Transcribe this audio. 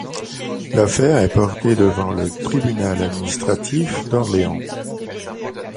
L'affaire est portée devant le tribunal administratif d'Orléans.